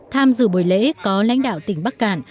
tham dự buổi lễ có lãnh đạo tỉnh bắc cạn